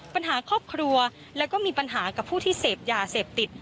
ปัญหาครอบครัวแล้วก็มีปัญหากับผู้ที่เสพยาเสพติด